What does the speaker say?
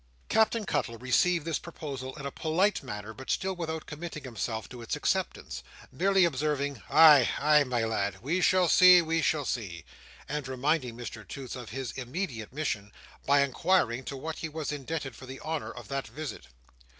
Captain Cuttle received this proposal in a polite manner, but still without committing himself to its acceptance; merely observing, "Ay, ay, my lad. We shall see, we shall see;" and reminding Mr Toots of his immediate mission, by inquiring to what he was indebted for the honour of that visit.